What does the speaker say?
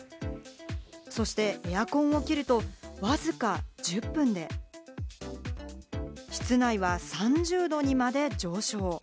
そしてエアコンを切ると、わずか１０分で室内は３０度にまで上昇。